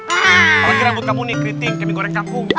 kalau kira kira buat kamu nih keriting kemik goreng kampung